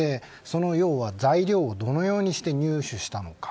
材料をどのようにして入手したのか。